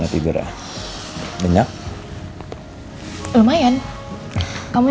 takut gitu dia kesepian di rumah